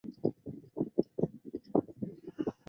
热莱巴尔。